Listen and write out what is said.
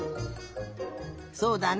そうだね。